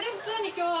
今日は